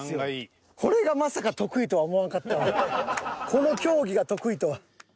この競技が得意とは。